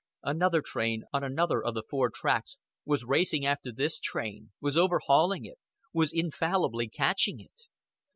Another train, on another of the four tracks, was racing after this train, was overhauling it, was infallibly catching it.